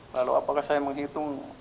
lalu apakah saya menghitung